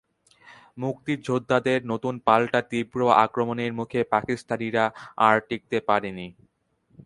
মুক্তিযোদ্ধাদের নতুন পাল্টা তীব্র আক্রমণের মুখে পাকিস্তানিরা আর টিকতে পারেনি।